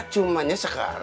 cuman sekarang gue makasih aja